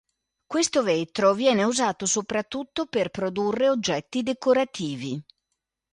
Questo vetro viene usato soprattutto per produrre oggetti decorativi.